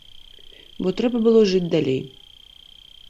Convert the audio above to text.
Бо трэба было жыць далей.